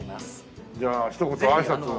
じゃあひと言あいさつを。